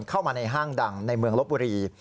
เข้ามาในห้างดังในเมืองลบบุรี